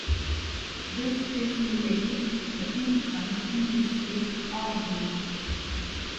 This is related to the infant industry argument.